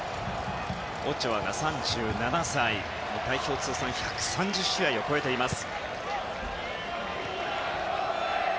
オチョアが３７歳代表通算１３０試合を超えています。